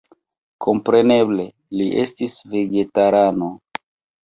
Kompreneble, li estis vegetarano.